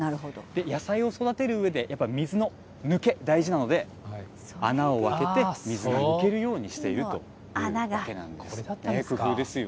野菜を育てるうえでやっぱ水の抜け、大事なので、穴を開けて水が抜けるようにしているというわけこれだったんですか。